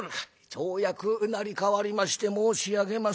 「町役成り代わりまして申し上げます。